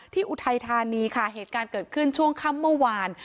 อุทัยธานีค่ะเหตุการณ์เกิดขึ้นช่วงค่ำเมื่อวาน